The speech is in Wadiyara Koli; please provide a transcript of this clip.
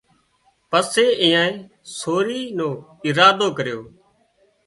پسي ايئانئي سوري نو ارادو ڪريو